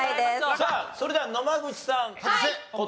さあそれでは野間口さん答えどうぞ。